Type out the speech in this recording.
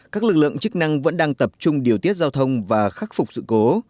các lực lượng chức năng vẫn đang tập trung điều tiết giao thông và khắc phục sự cố